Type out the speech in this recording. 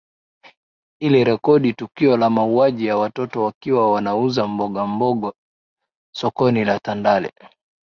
Ilirekodi tukio la mauwaji ya Watoto wakiwa wanauza mboga mboga soko la tandale